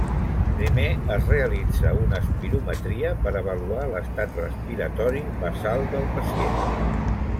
Primer es realitza una espirometria per avaluar l'estat respiratori basal del pacient.